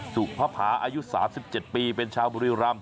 สุพภาอายุ๓๗ปีเป็นชาวบุรีรำ